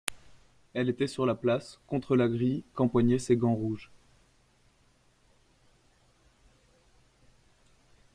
Elle était sur la place, contre la grille qu'empoignaient ses gants rouges.